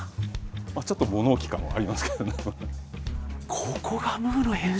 ちょっと物置感はありますけどね。